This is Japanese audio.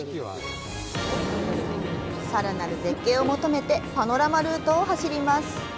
さらなる絶景を求めてパノラマルートを走ります。